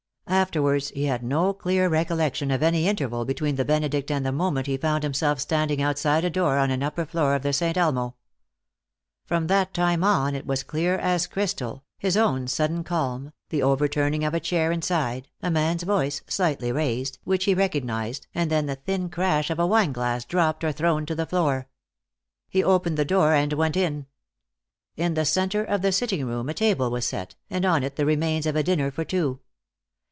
Afterwards he had no clear recollection of any interval between the Benedict and the moment he found himself standing outside a door on an upper floor of the Saint Elmo. From that time on it was as clear as crystal, his own sudden calm, the overturning of a chair inside, a man's voice, slightly raised, which he recognized, and then the thin crash of a wineglass dropped or thrown to the floor. He opened the door and went in. In the center of the sitting room a table was set, and on it the remains of a dinner for two.